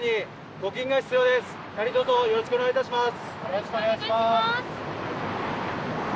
募金よろしくお願いいたします。